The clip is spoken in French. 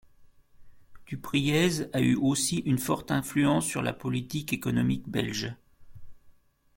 Dupriez a eu aussi une forte influence sur la politique économique belge.